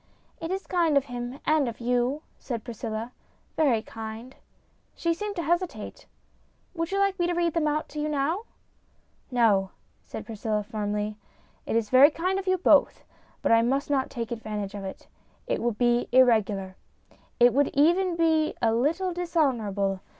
" It is kind of him and of you," said Priscilla, " very kind." She seemed to hesitate. "Would you like me to read them out to you now ?" "No," said Priscilla, firmly. "It is very kind of you both, but I must not take advantage of it. It would be irregular. It would even be a little dis honourable.